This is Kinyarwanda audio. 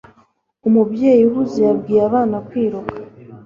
Umubyeyi uhuze yabwiye abana kwiruka